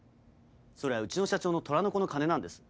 それはうちの社長の虎の子の金なんです。